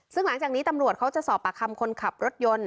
ซึ่งหลังจากนี้ตำรวจเขาจะสอบปากคำคนขับรถยนต์